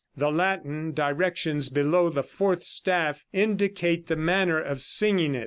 The Latin directions below the fourth staff indicate the manner of singing it.